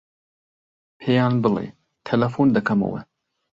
پێیان بڵێ تەلەفۆن دەکەمەوە.